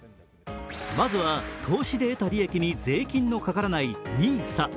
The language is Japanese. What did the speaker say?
まずは、投資で得た利益に税金のかからないＮＩＳＡ。